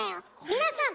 皆さん！